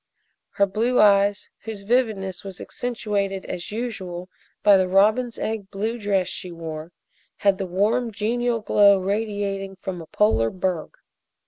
Her blue eyes, whose vividness was accentuated as usual by the robin's egg blue dress she wore, had the warm genial glow radiating from a polar berg.